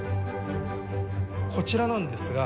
こちらなんですが。